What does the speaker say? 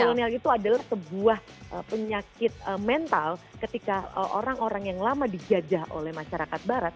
kolonial itu adalah sebuah penyakit mental ketika orang orang yang lama dijajah oleh masyarakat barat